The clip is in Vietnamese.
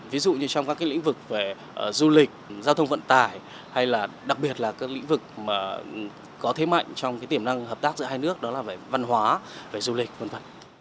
ví dụ như trong các lĩnh vực về du lịch giao thông vận tải hay là đặc biệt là các lĩnh vực mà có thế mạnh trong tiềm năng hợp tác giữa hai nước đó là về văn hóa về du lịch v v